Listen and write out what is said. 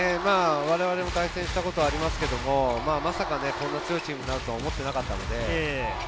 我々も対戦したことがありますけれども、まさかこんな強いチームになるとは思っていなかったので。